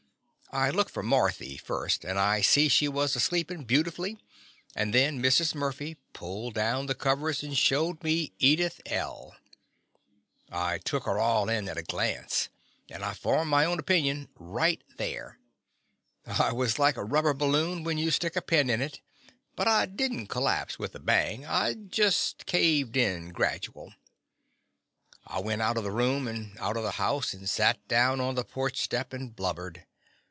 I looked for Marthy first, and I see she was a sleepin' beautiful, and then Mrs. Murphy pulled down the covers and showed me Edith L. I took her all in at a glance, and I The Confessions of a Daddy formed my own opinion right there. I was like a rubber balloon when you stick a pin in it, but I did n't collapse with a bang, I just caved in gradual. I went out of the room, and out of the house, and sat down on the porch step and blubbered.